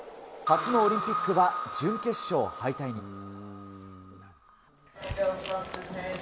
初のオリンピックは準決勝敗退に。